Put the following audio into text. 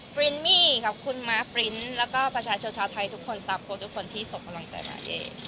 คุณครับคุณแล้วก็ประชาชาชาไทยทุกคนทุกคนที่ส่งกำลังใจมา